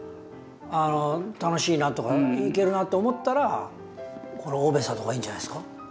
あの楽しいなとかいけるなと思ったらこのオベサとかいいんじゃないですか？